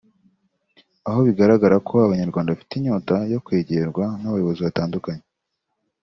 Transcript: aho bigaragara ko abanyarwanda bafite inyota yo kwegerwa n’abayobozi batandukanye